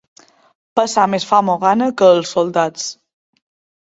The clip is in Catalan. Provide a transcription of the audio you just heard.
Passar més fam o gana que els soldats.